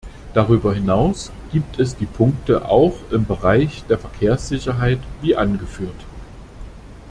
Darüber hinaus gibt es die Punkte auch im Bereich der Verkehrssicherheit wie angeführt.